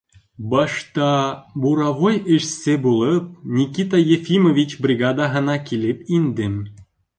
— Башта, буровой эшсе булып, Никита Ефимович бригадаһына килеп индем.